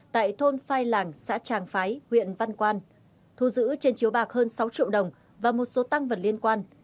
thu giữ trên chiếu bạc hơn sáu triệu đồng và một số tăng vật liên quan